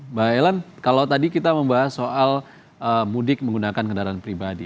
mbak ellen kalau tadi kita membahas soal mudik menggunakan kendaraan pribadi